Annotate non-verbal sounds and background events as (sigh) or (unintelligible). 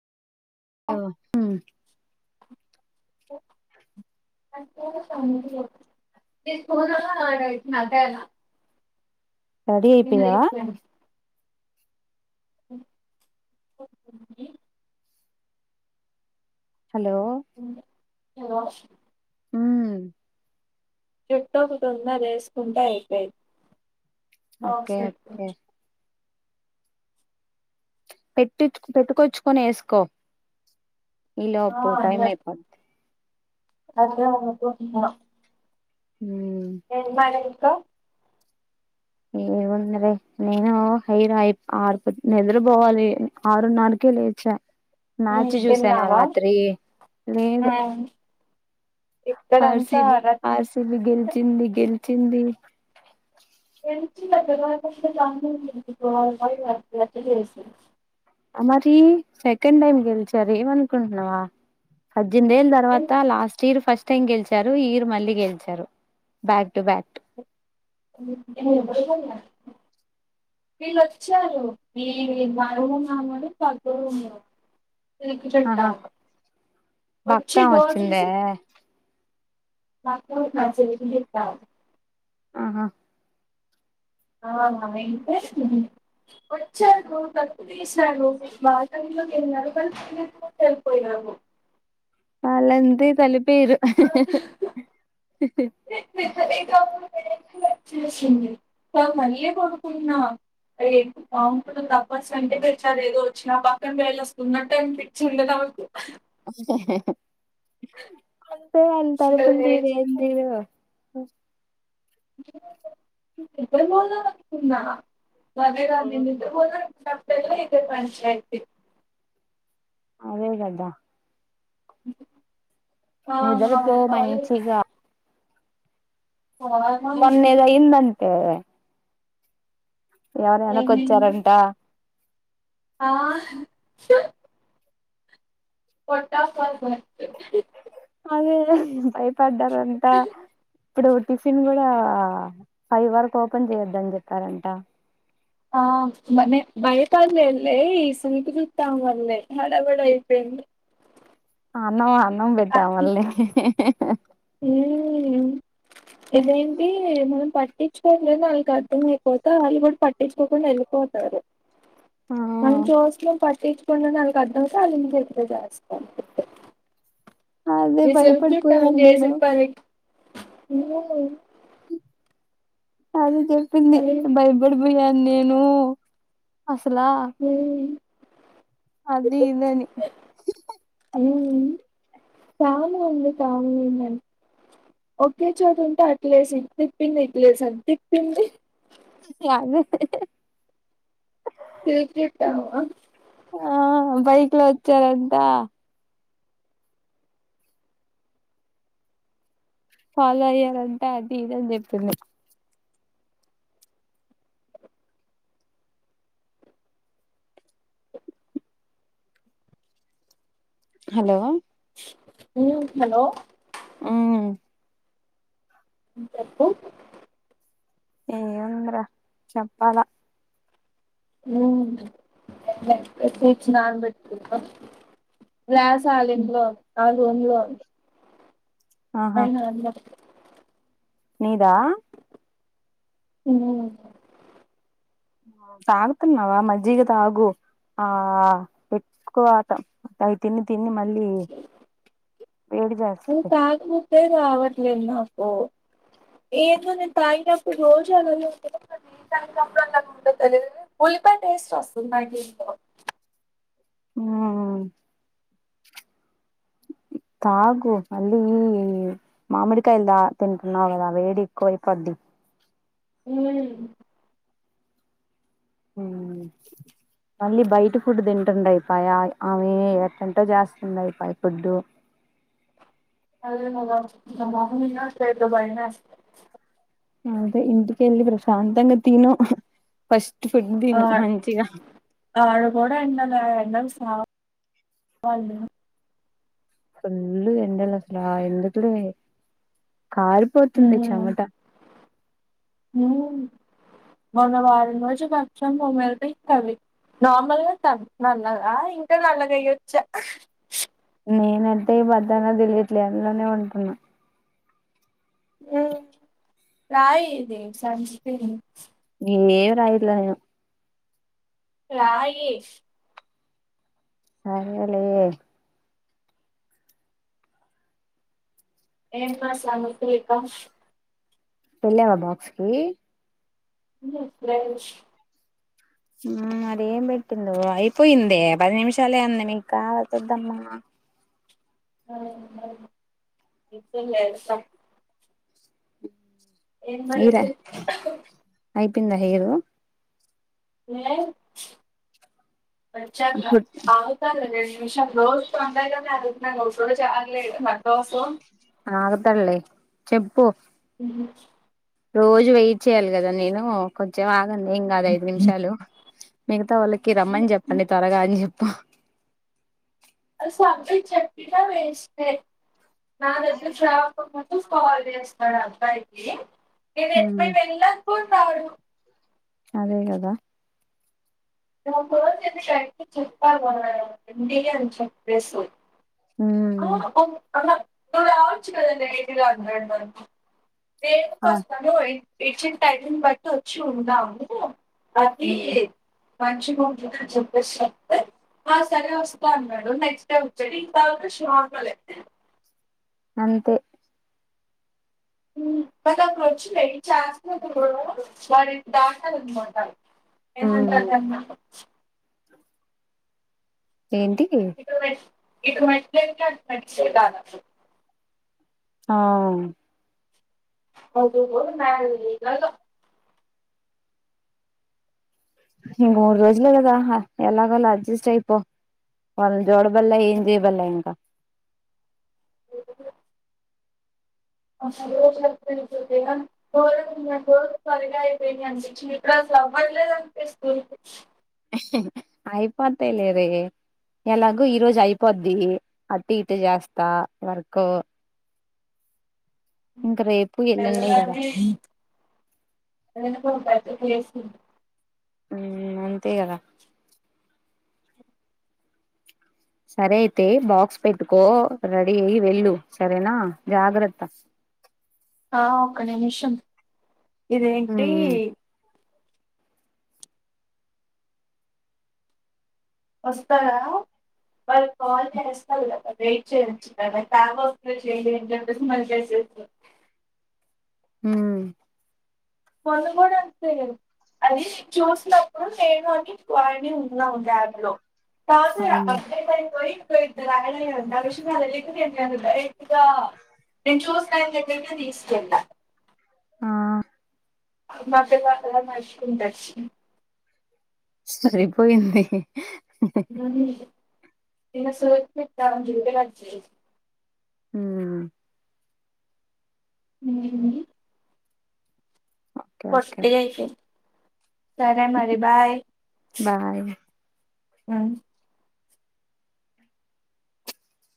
హ్మ సోన్నా మాదలా రెడి అయిపోయావా డి హలో హలో మ్మ్ చుట్టో ఒక కంద వేసుకుంటే అయిపోది (inaudible) ఓకే ఓకే పెట్టి పెట్టుకొచ్చుకొని వేసుకో ఇ లోపు టైమప్ప అదే అనుకుంటున్న ఉమ్ ఇందాక క ఏమున్నరే నేను హయిరాయి ఆరు నిద్రపోవాలి ఆరున్నరకే లేచా మ్యాచి చూసానా తిన్నావా రాత్రి లేదు ఆర్సి ఇక్కడంతా బ ఆర్సి బ రచ్చి గెల్చింది గెలిచ ది (inaudible) మరి సెకండ్ టైమ్ గెలిచారు ఏమనుకుంటున్నావా పద్యనిమిది ఏళ్ళ తర్వాత లాస్ట్ ఇయర్ ఫస్ట్ గెలిచారు ఈ ఇయర్ మళ్ళీ గెలిచారు బ్యాక్ టు బ్యాక్ (inaudible) వీళ్ళుొచ్చారు ఈ బరున్నాముడు పగడు ఉన్నారు ఆహా తరికింటా వచ్చి పక్కా గో వచ్చిందే తెసి (unintelligible) ఆహా ఆ ఇంటే వచ్చాారు తప్పు తీశాారు బగలోకి ఎ నరకలు వెళ్ళిపోయారు అలాంది కలిప్ పేరు ఆహా హా హా హా హా ఎ వచ్చేసింది కా మళ్ళీ కొడుకున్నా ఎకు బాగుంటంది తప్పస్ అంటే పెచ్చారు ఏదో వచ్చినా పక్కన వేళొస్తున్నట్టు అని పిచ్చింది నాకు అహా హా హా అంతే ఇక అంతవుతుంది ఇద లేచి ఎందివో స ఇ బ తన్నా అదే రా దినేత్తుకపోతే ఇతే పంచాయత అదే గదా అ నిదరపో మంచిగా ఫార్మల్ మొన్నేదో అయిందం అ ఎవరు ఏమైంది? వెనకొచ్చారంట ఆ పటాఫాల్ అదేదో అయి పడ్డారంతా ఇప్పుడు టిఫిన్ కూడా ఫైవ్ వరకు ఓపెన్ చేయొద్దని చెప్పారంట ఆ మన బయట అల్లేలై స్వీటీ గుట్ట అల్లేలై హడావిడి అయిపోయిందిడి అన్న బట్టమల్లే హా హా హా హ్మ్. ఇదేంటి మనం పట్టించుకోవట్లేదు వాళకు అర్థమ పోతే వాళ్ళు కూడా పట్టించుకోకుండా వెళ్ళిపోతారు మనం చూసినం పటి ప నాలు అడ్డాతే అల్లు నిన్ను చెస్త అదే ఈస చూట్ట ఉ భయపడిపోయాను నేను ఏసలు పని మ తజ చెప్పింది హ్మ్. భయపడిపోయాను నేను అసలా హ్మ్. అది ఇదని తాము ఉంది తాము ఉందిం ఒకే చోటు ఉంటే అట్లేసి ఇట్ తిప్పింది ఇట్ లేసి అది తిప్పింది అ దు హు హు కేకేట్టవా ఆ బైక్ లో వచ్చారంతా ఫాలో అయ్యారంట అది ఇదని చెప్పింది హలో ఉమ్ హలో ఉమ్ చెప్పు ఏముంద్రా చెప్పాల (unintelligible) (unintelligible) (unintelligible) ఆహా అయినా అది నీదా ఉమ్ తాగుతున్నావా మజ్జిగతాగు ఆ ఎక్కువాత తిని మళ్ళీ వేడి జేస్తది రావట్లేదు నాకు. ఏదో నేను తాగినప్పుడు రోజు అలాగే ఉంటదా మరి నేన్ తాగినప్పుడే అలా ఉంట తెలీదు గానీ ఉల్లిపాయ టేస్ట్ వస్తుంది నాకేంటో హా తాగు మల్లీ మామిడికాయల్ దా తింటున్నావ్ కదా వేడెక్కువైపోద్ది ఉమ్ ఉమ్ మళ్ళీ బయట ఫుడ్ తింటుండయిపాయా ఆమే వంట చేస్తుండ అయిపాయి ఫుడ్డు (unintelligible) బయమేస్త అదే ఇంటికెళ్ళి ప్రశాంతంగా తిను ఫస్ ఆ ఆడగూడ ఎండలా ఎండల సా (unintelligible) ఫుల్లుగ ఎండలసలా ఎందుకులే కారిపోతుంది హ్మ్. చెమట హ్మ్. మొన్న వారం రోజు (unintelligible) నార్మల్గా త నల్లగా ఇంకా నల్లగ అయ్యొచ్చా నేనంటే (unintelligible) అందులోనే ఉంటున్నా రాయేది (unintelligible) ఇంగేం రాయలే నేను రాయేష్ సరేలే ఏంట్రాసంగతీ ఇక వెళ్ళావా బాక్స్ కి ఫ్రేష్ ఉమ్ మరేం పెట్టిందో అయిపోయిందే పది నిమిషాలే ఉంది మింకాల్తొద్దమ్మా (unintelligible) (inaudible) ఎం మరి హెయిర్ అయిపోయిందా హెయిరో లేదు (unintelligible) (unintelligible) ఆగుతల్లి చెప్పు ముచ్ రోజు వెయిట్ చేయాలి కదా నేను కొంచెం ఆగ్ గండి ఏం కాదు ఐదు నిమిషాలు మిగతా వాళ్ళకి రమ్మని హ్మ్. చెప్పండి త్వరగా అని చెప్ హా ఆ సబ్జెక్ట్ చెప్పిన వేస్టే నా దగ్గర (unintelligible) మొత్తం కాల్ చేస్తాను అబ్బాయికి ఇది ఉమ్ ఎప్పు వెళ్ళాకు తాడు అదే కదా నువు ఫోన్ చేసి కరెక్ట్ గా చెప్పాల ఇంటికే అని చెప్పసేవ్ ఉమ్ అ హోం అనర్ నువు రావచ్చు కద నయిటీ హండ్రెడ్ వరకు నేను ఆ వస్తాను ఏ ఇచ్చిన టైమును బట్టి వచ్చి ఉందాము ఆది ఉమ్ సరే వస్తా అన్నాడు నెక్స్ట్ డే బుక్ చే శాకలే అంతే మ్మ్ నాకు అప్పుడు వచ్చిండె ఇది చేస్తనన్నను వారి దాటాలన్నమాట ఉమ్ ఏమంటాడన్న ఏంటి ఇటు మెట్ ఇటు మెట్లెక్కి అటు మెట్స్ ఉండాల ఆ అవును మ ఇ ఈ మూడు రోజులే కదా ఎలాగోల అడ్జస్ట్ అయిపో వాళ్ళని జోడు బల్ల ఏం జేయబల్ల ఇంకా రోజపోనీ రోజులు త్వరగా అయిపోయినయి అనిపిచ్చింది అంటే చీక అసల అవ్వట్లేదు అనిపిస్తు అయిపోతా లేరే ఎలాగో ఈ రోజు అయిపోద్ది అటు ఇటు చేస్తా వర్క్ ఇంక రేపు ఎల్లుండే కదా ఎందులోండి (unintelligible) పు చేస్ మ్మ్ అంతే కదా సరే అయితే బాక్స్ పెట్టుకో రెడీ అయి వెళ్ళు సరేనా జాగ్రత్త ఆ ఒక నిమిషం ఇదేంటి ఉమ్ వస్తారా మరి కాల్ చేస్తారు కదా వెయిట్ చేయొచ్చు కదా క్యాబ్ వస్తే చెయడి అని చెప్పేసి మళ్చసే మ్మ్ ముందు కూడా అంతే కదా అది చూసినప్పుడు నేను అని వాని ఉన్నాం క్యాబ్ లో తజా అవునులే అప్డేట్ అయిపోయి గో (unintelligible) తీసుకెళ్ళా ఆ మాకు (inaudible) నడుచుకుంటచ్చ్ సరిపోయింది నిన్న (inaudible) రిటనచ్చేయ్ ఊమ్ ఓకే ఓకే వస్తే ఐతే సరే మరి బాయ్ బాయ్ ఉం